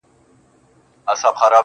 دا مي روزگار دى دغـه كــار كــــــومـــه.